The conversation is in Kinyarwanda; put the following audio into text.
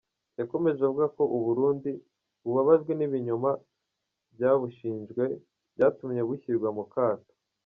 Yakomeje avuga ko u Burundi bubabajwe n’ibinyoma byabushinjwe byatumye bushyirwa mu kato.